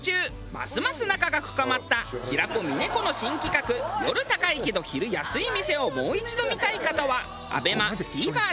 ますます仲が深まった平子峰子の新企画夜高いけど昼安い店をもう一度見たい方はＡＢＥＭＡＴＶｅｒで。